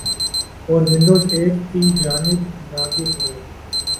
اور Windows eight کی جانب راغب ہوں ۔